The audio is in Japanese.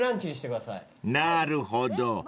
［なるほど。